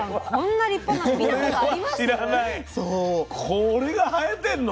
これが生えてんの？